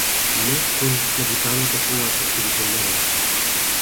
Не кон набутаното колаче туку кон мене.